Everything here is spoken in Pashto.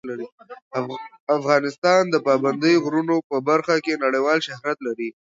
افغانستان د پابندي غرونو په برخه کې نړیوال شهرت لري.